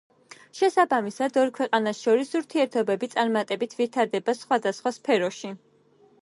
შესაბამისად, ორ ქვეყანას შორის ურთიერთობები წარმატებით ვითარდება სხვადასხვა სფეროში.